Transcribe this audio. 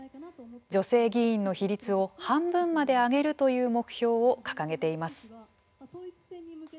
女性議員の比率を半分まで上げるという目標を掲げています。